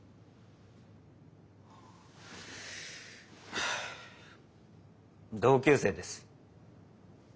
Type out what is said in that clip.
はあ同級生です。